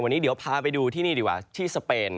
วันนี้เดี๋ยวพาไปดูที่นี่ดีกว่าที่สเปน